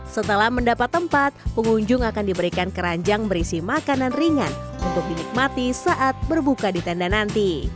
setelah mendapat tempat pengunjung akan diberikan keranjang berisi makanan ringan untuk dinikmati saat berbuka di tenda nanti